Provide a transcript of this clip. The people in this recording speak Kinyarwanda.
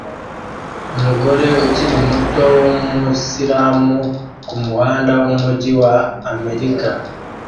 Umugore ukiri muto wumuyisilamu kumuhanda wumujyi wa Amerika